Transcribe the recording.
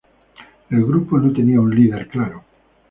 El grupo no tenía un líder claro.